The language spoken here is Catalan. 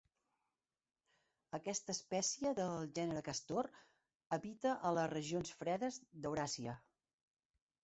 Aquesta espècie del gènere castor habita les regions fredes d'Euràsia.